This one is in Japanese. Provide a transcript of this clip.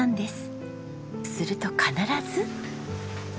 すると必ず。